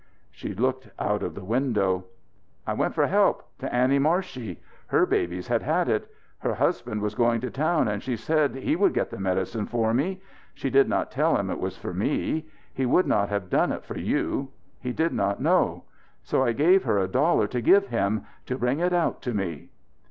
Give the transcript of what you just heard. She looked out of the window. "I went for help to Annie Marshey. Her babies had had it. Her husband was going to town and she said he would get the medicine for me. She did not tell him it was for me. He would not have done it for you. He did not know. So I gave her a dollar to give him to bring it out to me.